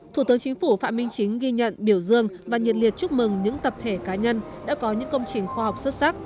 thủ tướng chính phủ phạm minh chính ghi nhận biểu dương và nhiệt liệt chúc mừng những tập thể cá nhân đã có những công trình khoa học xuất sắc